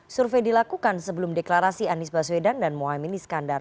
survei dilakukan sebelum deklarasi anies baswedan dan muhaymin iskandar